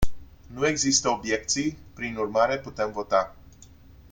Nu există obiecții, prin urmare putem vota.